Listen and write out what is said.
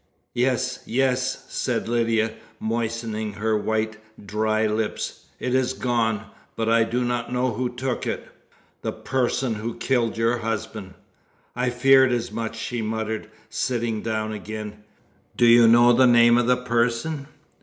"Yes! yes!" said Lydia, moistening her white, dry lips, "it is gone; but I do not know who took it." "The person who killed your husband." "I feared as much," she muttered, sitting down again. "Do you know the name of the person?"